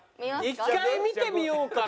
１回見てみようかな。